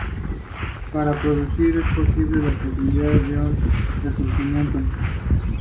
Estudios de Maestría en Gerencia Política por la Universidad George Washington.